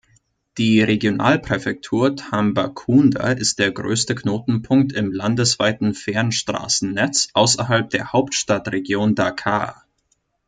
Die Regionalpräfektur Tambacounda ist der größte Knotenpunkt im landesweiten Fernstraßennetz außerhalb der Hauptstadtregion Dakar.